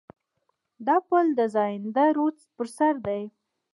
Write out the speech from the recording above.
دا پل د زاینده رود پر سر دی.